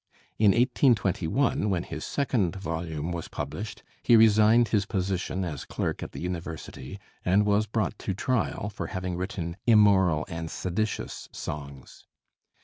In 1821, when his second volume was published, he resigned his position as clerk at the University, and was brought to trial for having written immoral and seditious songs.